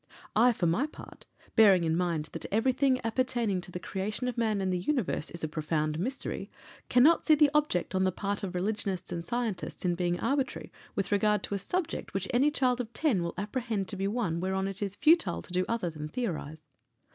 I, for my part, bearing in mind that everything appertaining to the creation of man and the universe is a profound mystery, cannot see the object on the part of religionists and scientists in being arbitrary with regard to a subject which any child of ten will apprehend to be one whereon it is futile to do other than theorize.